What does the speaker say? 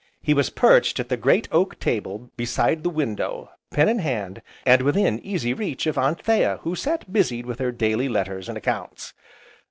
He was perched at the great oak table beside the window, pen in hand, and within easy reach of Anthea who sat busied with her daily letters and accounts.